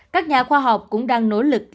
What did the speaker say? các nhà khoa học cũng đang nỗ lực